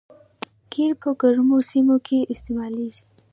قیر په ګرمو سیمو کې استعمالیږي